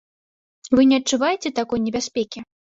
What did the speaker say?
Вы не адчуваеце такой небяспекі?